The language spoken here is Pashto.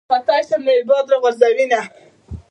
نه ورختی شم نه ئې باد را غورځوېنه